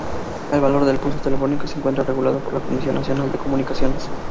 El valor del pulso telefónico se encuentra regulado por la Comisión Nacional de Comunicaciones.